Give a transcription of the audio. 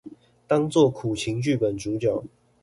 當做苦情劇本主角